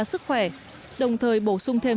sức khỏe đồng thời bổ sung thêm